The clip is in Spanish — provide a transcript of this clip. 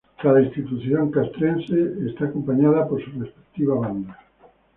Cada institución castrense es acompañada por su respectiva banda.